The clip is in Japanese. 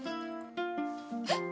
えっ？